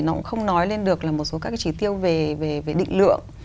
nó cũng không nói lên được là một số các cái chỉ tiêu về định lượng